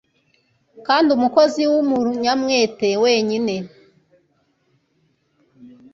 kandi umukozi w'umuruyamwete wenyine